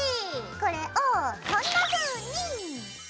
これをこんなふうに！